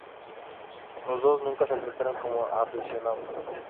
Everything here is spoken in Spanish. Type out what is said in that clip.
Los dos nunca se enfrentaron como aficionados.